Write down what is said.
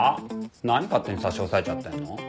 何勝手に差し押さえちゃってんの？